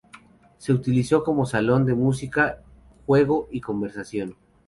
Se utilizó como salón de música, juego y conversación.